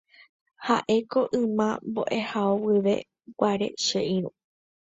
Ha'éko yma mbo'ehao guive guare che irũ.